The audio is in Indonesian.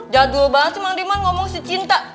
jadul banget sih mang diman ngomong si cinta